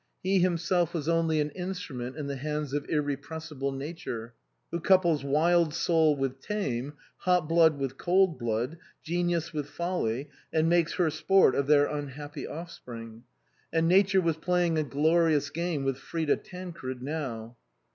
He himself was only an instrument in the hands of irrepressible Nature who couples wild soul with tame, hot blood with cold blood, genius with folly, and makes her sport of their unhappy offspring. And Nature was playing a glorious game with Frida Tancred now.